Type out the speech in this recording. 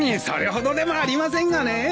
それほどでもありませんがね。